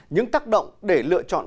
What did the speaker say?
những tác động để lựa chọn